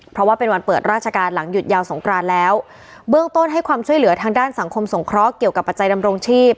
เพราะว่าเป็นวันเปิดราชการหลังหยุดยาวสงกรานแล้วเบื้องต้นให้ความช่วยเหลือทางด้านสังคมสงเคราะห์เกี่ยวกับปัจจัยดำรงชีพ